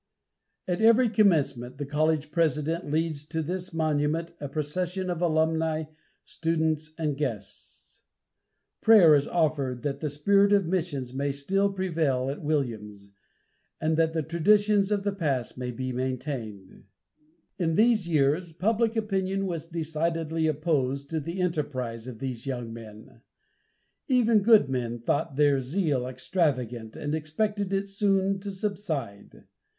At every commencement, the college president leads to this monument a procession of alumni, students, and guests. Prayer is offered that the spirit of missions may still prevail at Williams, and that the traditions of the past may be maintained. In these years public opinion was decidedly opposed to the enterprise of these young men. Even good men thought their zeal extravagant and expected it soon to subside.